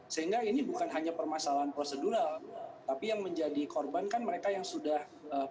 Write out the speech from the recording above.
sehingga ini bukan hanya permasalahan prosedural tapi yang menjadi korban kan mereka yang sudah